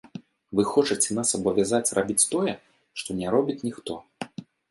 Вы хочаце нас абавязаць рабіць тое, што не робіць ніхто.